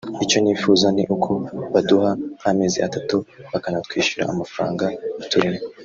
icyo nifuza ni uko baduha nk’amezi atatu bakanatwishyura amafaranga baturimo